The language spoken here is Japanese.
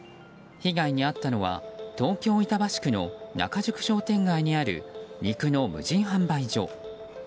被害に遭ったのは東京・板橋区の仲宿商店街にある肉の無人販売所。